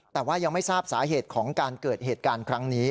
แต่ว่ายังไม่ทราบสาเหตุของการเกิดเหตุการณ์ครั้งนี้